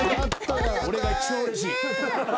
俺が一番うれしい。